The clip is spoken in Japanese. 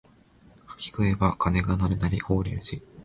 柿食えば鐘が鳴るなり法隆寺